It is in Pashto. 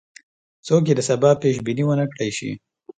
څوک یې د سبا پیش بیني ونه کړای شي.